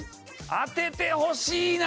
当ててほしい！